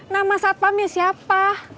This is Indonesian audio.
nama satpamnya siapa